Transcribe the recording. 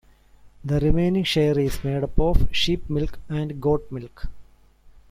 The remaining share is made up of sheep milk and goat milk.